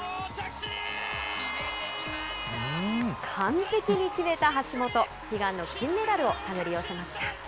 完璧に決めた橋本、悲願の金メダルを手繰り寄せました。